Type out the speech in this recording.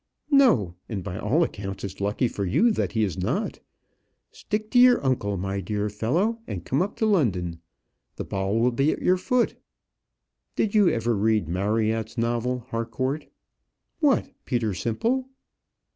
"No; and by all accounts it's lucky for you that he is not. Stick to your uncle, my dear fellow, and come up to London. The ball will be at your foot." "Did you ever read Marryat's novel, Harcourt?" "What, Peter Simple?"